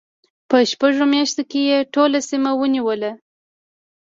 په شپږو میاشتو کې یې ټوله سیمه ونیوله.